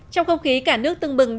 trong không khí cả nước tưng bừng đón